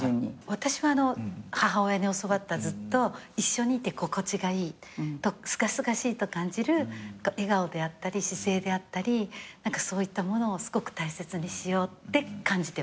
私は母親に教わったずっと一緒にいて心地がいいとすがすがしいと感じる笑顔であったり姿勢であったりそういったものをすごく大切にしようって感じてます。